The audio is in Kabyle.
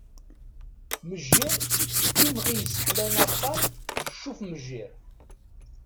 Mejjir d imɣi yesseḥlayen aṭan "Ccuf-mejjir".